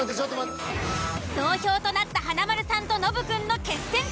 同票となった華丸さんとノブくんの。